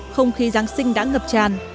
không khí giáng sinh đã ngập tràn